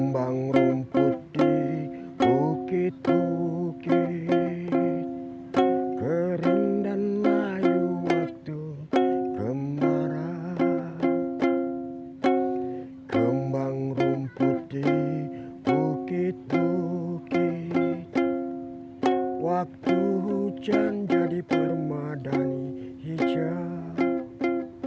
bukit bukit waktu hujan jadi permadani hijab